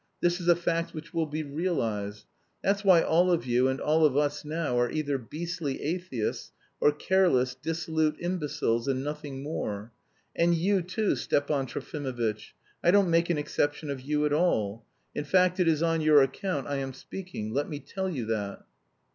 This is a fact which will be realised. That's why all of you and all of us now are either beastly atheists or careless, dissolute imbeciles, and nothing more. And you too, Stepan Trofimovitch, I don't make an exception of you at all! In fact, it is on your account I am speaking, let me tell you that!"